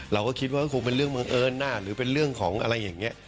เราก็คิดว่าคงเป็นเรื่องบังเอิญหน้าหรือเป็นเรื่องของอะไรอย่างนี้